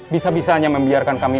bisa bisanya membiarkan kami